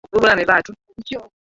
na tumsikilize profesa hamfrey moshi